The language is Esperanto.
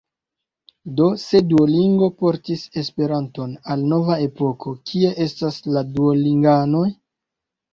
Do, se Duolingo portis Esperanton al nova epoko, kie estas la Duolinganoj?